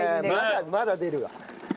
まだ出るわ。